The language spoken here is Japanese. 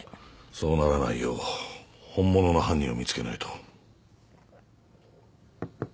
そうならないよう本物の犯人を見つけないと。